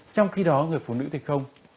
trong khi đó người phụ nữ thì không